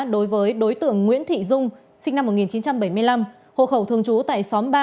đối với đối tượng nguyễn thị dung sinh năm một nghìn chín trăm bảy mươi năm hộ khẩu thường trú tại xóm ba